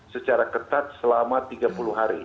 secara ketat selama tiga puluh hari